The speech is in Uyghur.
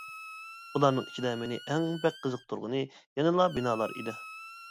بۇلارنىڭ ئىچىدە مېنى ئەڭ بەك قىزىقتۇرغىنى يەنىلا بىنالار ئىدى.